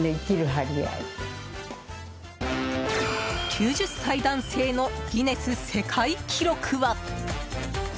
９０歳男性のギネス世界記録は。